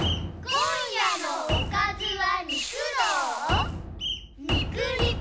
今夜のおかずは。